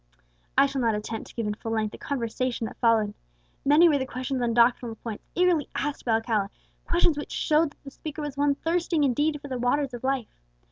I shall not attempt to give in full length the conversation that followed. Many were the questions on doctrinal points eagerly asked by Alcala, questions which showed that the speaker was one thirsting indeed for the waters of life.